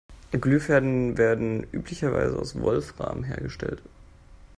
Glühfäden werden üblicherweise aus Wolfram hergestellt.